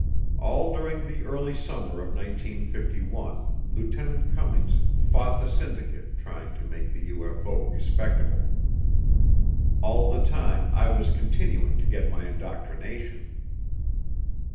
All during the early summer of 1951 Lieutenant Cummings "fought the syndicate" trying to make the UFO respectable. All the time I was continuing to get my indoctrination.